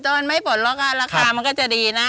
ต้นไม่ปลดล็อกอ่ะราคามันก็จะดีนะอ๋อ